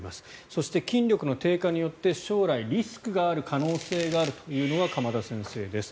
そして、筋力の低下によって将来、リスクのある可能性があるものです鎌田先生です。